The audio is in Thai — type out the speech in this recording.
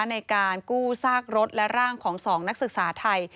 ในการกู้ซากรถและร่างของ๒นักศึกษาไทย